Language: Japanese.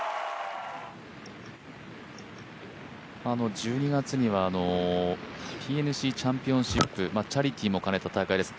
１２月には、ＴＮＣチャンピオンシップチャリティーも兼ねた大会です。